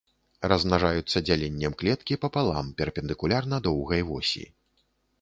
Размнажаюцца дзяленнем клеткі папалам перпендыкулярна доўгай восі.